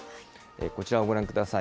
こちらをご覧ください。